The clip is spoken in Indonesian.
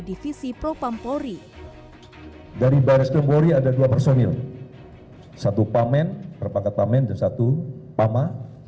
divisi pro pampolri dari baris kempuri ada dua personil satu pamen perpakat pamen dan satu pama